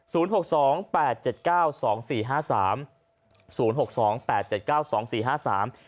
หกสองแปดเจ็ดเก้าสองสี่ห้าสามศูนย์หกสองแปดเจ็ดเก้าสองสี่ห้าสาม